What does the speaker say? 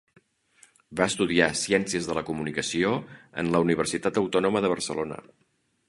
Va estudiar Ciències de la Comunicació en la Universitat Autònoma de Barcelona.